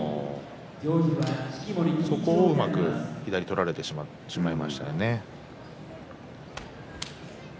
そこをうまく左を取られてしまいましたね。